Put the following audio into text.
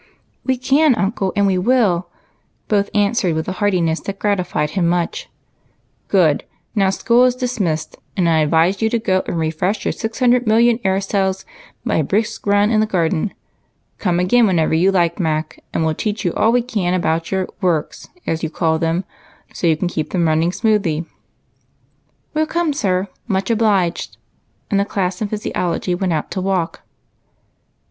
" We can, uncle, and we will !" both answered with a heartiness that gratified him much. " Good ! now school is dismissed, and I advise you to go and refresh your 600,000,000 air cells by a brisk run in the garden. Come again whenever you like, Mac, and we '11 teach you all we can about your * works,' as you call them, so you can keep them running smoothly." " We '11 come, sir, much obliged," and the class in physiology went out to walk.